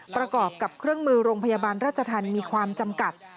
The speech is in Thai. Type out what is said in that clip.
ประกอบกับเครื่องมือโรงพยาบาลราชธรรมมีความจำกัด